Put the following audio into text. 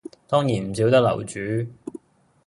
當然唔少得樓主